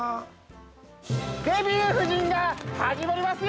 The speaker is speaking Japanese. ◆「デビュー夫人」が始まりますよ！